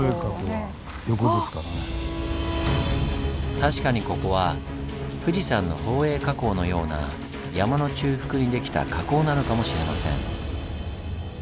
確かにここは富士山の宝永火口のような山の中腹にできた火口なのかもしれません。